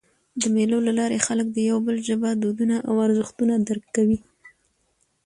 د مېلو له لاري خلک د یو بل ژبه، دودونه او ارزښتونه درک کوي.